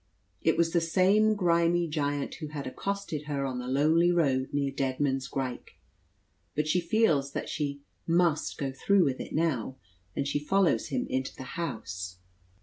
It was the same grimy giant who had accosted her on the lonely road near Deadman's Grike. But she feels that she "must go through with it" now, and she follows him into the house.